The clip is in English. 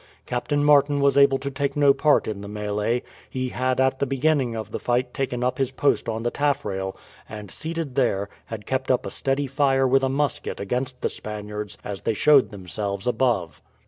Captain Martin was able to take no part in the melee. He had at the beginning of the fight taken up his post on the taffrail, and, seated there, had kept up a steady fire with a musket against the Spaniards as they showed themselves above.